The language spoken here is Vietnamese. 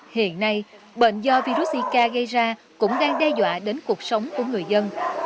hiện nay bệnh do virus zika gây ra cũng đang đe dọa đến cuộc sống của người dân